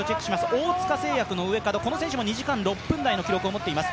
大塚製薬上門、こちらも２時間６分台の記録を持っています。